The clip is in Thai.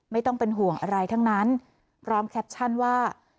ไม่ต้องเป็นห่วงอะไรทั้งนั้นพร้อมแคปชั่นว่า